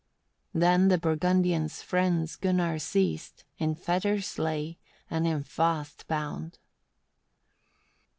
18. Then the Burgundians' friends Gunnar seized, in fetters laid, and him fast bound.